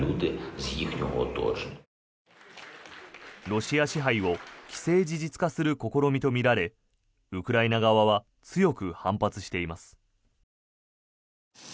ロシア支配を既成事実化する試みとみられウクライナ側は強く反発しています。